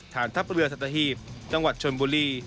ฐานทัพเรือสัตหีบจังหวัดชนบุรี